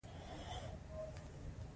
لوبې خوښې دي.